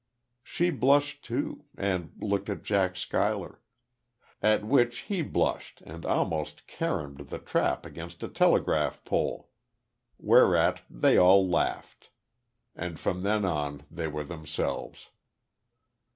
She blushed, too, and looked at Jack Schuyler. At which he blushed and almost carromed the trap against a telegraph pole. Whereat they all laughed. And from then on, they were themselves.